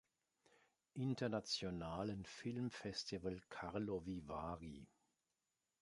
Internationalen Filmfestival Karlovy Vary.